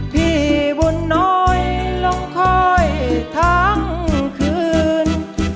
พี่บุญน้อยลงค่อยทั้งคืน